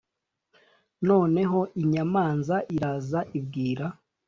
noneho inyamanza iraza ibwira